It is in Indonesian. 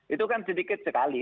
itu kan sedikit sekali